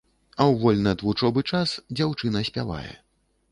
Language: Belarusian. А ў вольны ад вучобы час дзяўчына спявае.